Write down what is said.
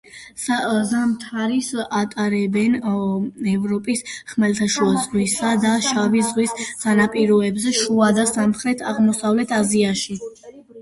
ზამთარს ატარებენ ევროპის ხმელთაშუა ზღვისა და შავი ზღვის სანაპიროებზე, შუა და სამხრეთ-აღმოსავლეთ აზიაში.